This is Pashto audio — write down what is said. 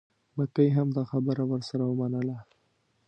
مکۍ هم دا خبره ورسره ومنله.